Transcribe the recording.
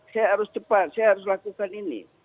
saya harus cepat saya harus lakukan ini